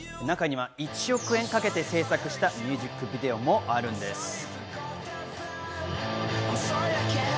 中には１億円かけて制作したミュージックビデオもあるんです。